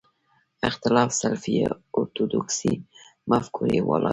اختلاف سلفي اورتودوکسي مفکورې والا دي.